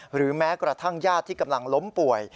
หรือแม้กระทั่งญาติที่กำลังล้มป่วย